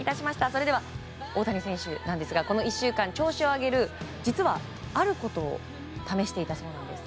それでは大谷選手ですがこの１週間、調子を上げる実は、あることを試していたそうなんです。